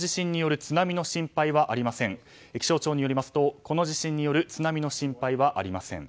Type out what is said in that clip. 気象庁によりますとこの地震による津波の心配はありません。